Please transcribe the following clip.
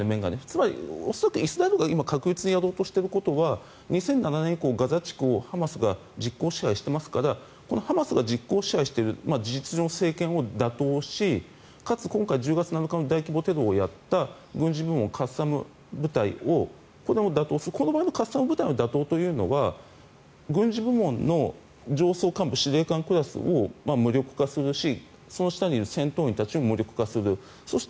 つまり、イスラエルが今確実にやろうとしていることは２００７年以降ガザ地区をハマスが実効支配していますからこのハマスが実効支配している事実上の政権を打倒しかつ、今回１０月７日の大規模テロをやった軍事部門のカッサム部隊これも打倒するこのカッサム部隊を打倒するのが軍事部門の上層幹部司令官クラスを無力化するその下にいる戦闘員たちを無力化する。